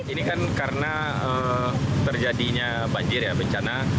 ini kan karena terjadinya banjir ya bencana